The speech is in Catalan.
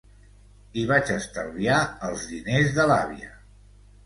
I vaig estalviar els diners de l'àvia.